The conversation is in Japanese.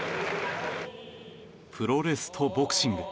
プロレスとボクシング。